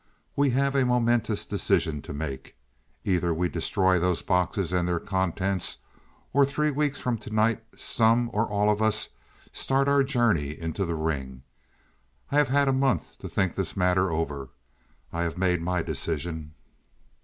"We have a momentous decision to make. Either we destroy those boxes and their contents, or three weeks from to night some or all of us start our journey into the ring. I have had a month to think this matter over; I have made my decision.